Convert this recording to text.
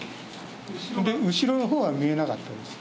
後ろのほうは見えなかったです。